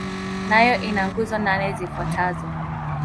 Nayo ina nguzo nane zifuatazo.